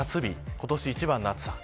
今年一番の暑さ。